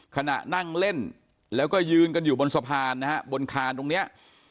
ขณะนั่งเล่นแล้วก็ยืนกันอยู่บนสะพานนะฮะบนคานตรงนี้